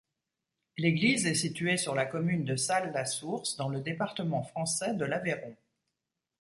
L'église est située sur la commune de Salles-la-Source, dans le département français de l'Aveyron.